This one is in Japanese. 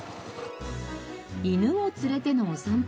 犬を連れてのお散歩？